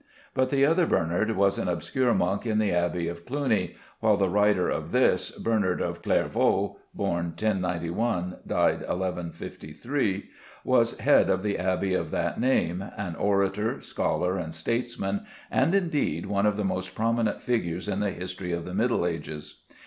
But the other Bernard was an obscure monk in the Abbey of Cluny, while the writer of this, Bernard of Clairvaux (born 1091, died 1153), was head of the Abbey of that name, an orator, scholar, and statesman, and indeed one of the most prominent figures in the history of the middle ages.